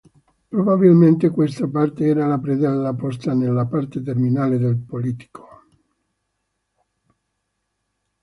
Probabilmente questa parte era la predella posta nella parte terminale del polittico.